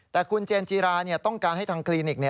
แต่คุณเจนจีราต้องการให้ทางคลินิก